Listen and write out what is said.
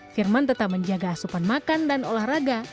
firman tetap menjaga asupan makan dan olahraga